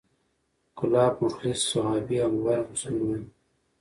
کلاب مخلص صحابي او غوره مسلمان و،